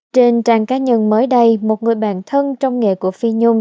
trên trang cá nhân mới đây một người bạn thân trong nghề của phi nhôm